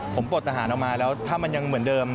ผมปลดทหารออกมาแล้วถ้ามันยังเหมือนเดิม